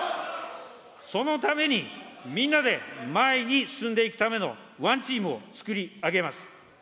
そのために、みんなで前に進んでいくためのワンチームをつくりあげます。